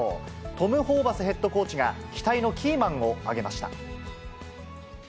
トム・ホーバスヘッドコーチが、期待のキーマンを挙げました。